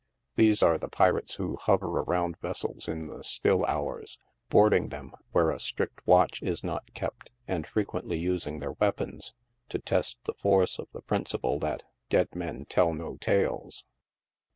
These are the pirates who hover around vessels in the still hours, boarding them where a strict watch is not kept, and frequently using their weapons, to test the force of the principle that •' dead men tell no tales."